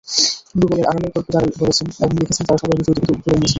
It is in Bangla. গুগলের আড়ালের গল্প যাঁরা বলেছেন এবং লিখেছেন, তাঁরা সবাই বিষয়টিকে তুলে এনেছেন।